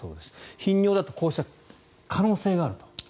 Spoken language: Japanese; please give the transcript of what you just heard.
頻尿だとこうした可能性があると。